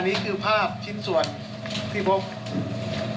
นี่คือภาพชิ้นส่วนที่พบ